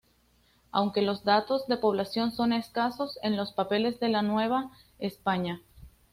Aunque los datos de población son escasos, en los Papeles de la Nueva España.